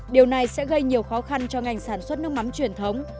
điều này sẽ gây nhiều khó khăn cho ngành sản xuất nước mắm truyền thống